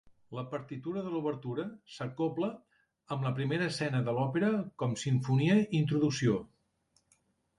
La partitura de l'obertura s'acobla amb la primera escena de l'òpera com Simfonia i Introducció.